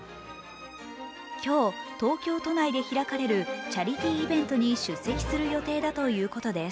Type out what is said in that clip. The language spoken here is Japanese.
今日、東京都内で開かれるチャリティーイベントに出席する予定だということです。